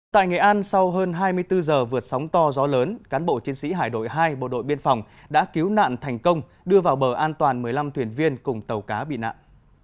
tại nghệ an sau hơn hai mươi bốn giờ vượt sóng to gió lớn cán bộ chiến sĩ hải đội hai bộ đội biên phòng đã cứu nạn thành công đưa vào bờ an toàn một mươi năm thuyền viên cùng tàu cá bị nạn